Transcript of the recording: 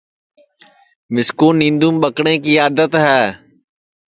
مِسکُو نینٚدُؔوم ٻکٹؔیں کی آدت ہے